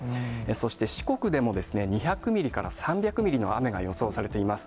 そして、四国でも２００ミリから３００ミリの雨が予想されています。